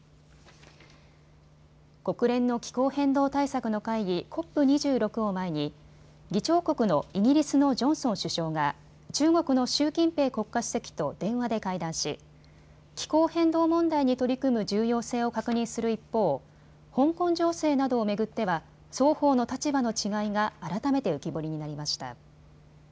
国連の気候変動対策の会議、ＣＯＰ２６を前に議長国のイギリスのジョンソン首相が中国の習近平国家主席と電話で会談し、気候変動問題に取り組む重要性を確認する一方、香港情勢などを巡っては双方の立場の違いが改めて浮き彫りになりました。